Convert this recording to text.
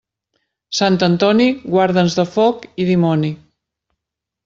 Sant Antoni, guarda'ns de foc i dimoni.